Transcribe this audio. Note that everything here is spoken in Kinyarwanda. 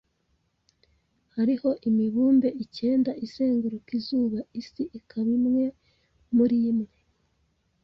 Hariho imibumbe icyenda izenguruka izuba, isi ikaba imwe murimwe.